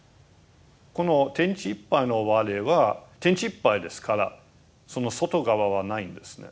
この「天地いっぱいの我」は天地いっぱいですからその外側はないんですね。